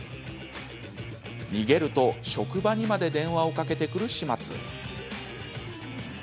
逃げると職場にまで電話をかけてくる始末。